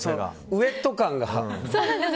ウェット感が。